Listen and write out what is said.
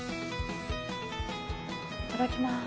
いただきます。